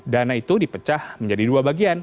dana itu dipecah menjadi dua bagian